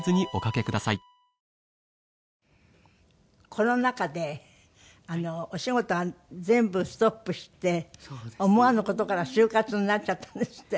コロナ禍でお仕事が全部ストップして思わぬ事から終活になっちゃったんですって？